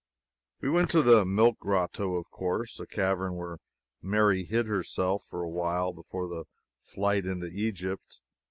We went to the Milk Grotto, of course a cavern where Mary hid herself for a while before the flight into Egypt.